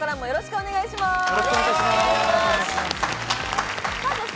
よろしくお願いします。